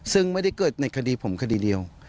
ซึ่งไม่ได้เกิดในคดีผมคดีเดียว